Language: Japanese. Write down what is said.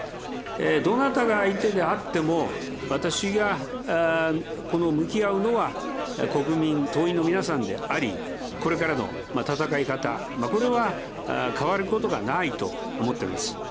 どなたが相手であっても、私が向き合うのは、国民、党員の皆さんであり、これからの戦い方、これは変わることがないと思っております。